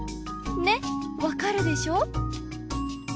ねっわかるでしょ？